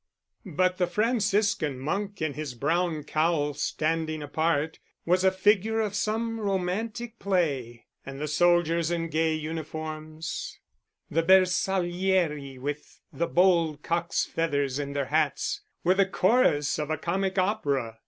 But the Franciscan monk in his brown cowl, standing apart, was a figure of some romantic play; and the soldiers in gay uniforms, the Bersaglieri with the bold cock's feathers in their hats, were the chorus of a comic opera.